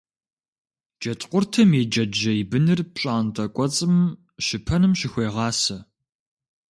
Джэдкъуртым и джэджьей быныр пщӀантӀэ кӀуэцӀым щыпэным щыхуегъасэ.